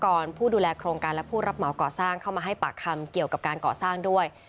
ผู้ดูแลโครงการและผู้รับเหมาก่อสร้างเข้ามาให้ปากคำเกี่ยวกับการก่อสร้างด้วย